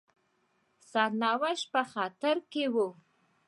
سرنوشت په خطر کې وو.